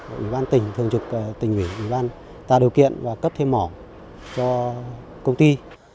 ủy ban tỉnh thường trực tỉnh ủy ủy ban tạo điều kiện và cấp thêm mỏ cho công ty